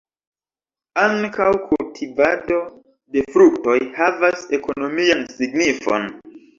Ankaŭ kultivado de fruktoj havas ekonomian signifon.